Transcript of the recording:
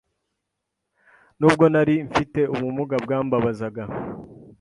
nubwo nari mfite ubumuga bwambabazaga